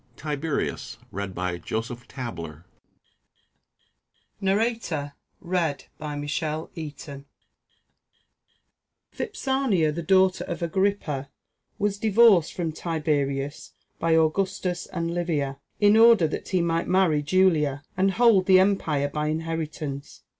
TIBERIUS AND VIPSANIA. ["Vipsania, the daughter of Agrippa, was divorced from Tiberius by Augustus and Livia, in order that he might marry Julia, and hold the empire by inheritance.